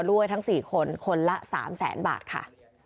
ด้วยทั้งสี่คนคนละสามแสนบาทค่ะ